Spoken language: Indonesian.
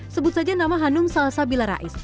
sebut saja nama hanum salsabila rais